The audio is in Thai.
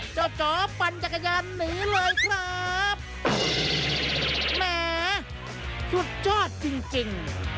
เจ้าจ๋อปั่นจักรยานหนีเลยครับแหมสุดชอบจริง